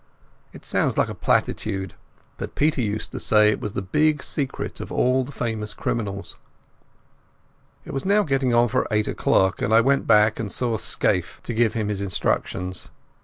It sounds a platitude, but Peter used to say that it was the big secret of all the famous criminals. It was now getting on for eight o'clock, and I went back and saw Scaife to give him his instructions.